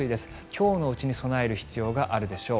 今日のうちに備える必要があるでしょう。